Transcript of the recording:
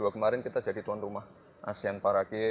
dua ribu dua puluh dua kemarin kita jadi tuan rumah asean paragym